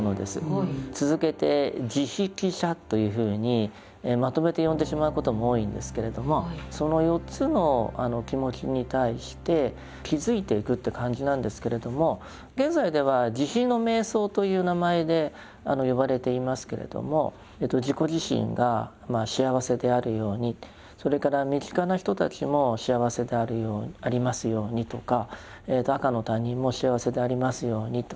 続けて「慈悲喜捨」というふうにまとめて呼んでしまうことも多いんですけれどもその４つの気持ちに対して気づいていくという感じなんですけれども現在では「慈悲の瞑想」という名前で呼ばれていますけれども自己自身が幸せであるようにそれから身近な人たちも幸せでありますようにとか赤の他人も幸せでありますようにと。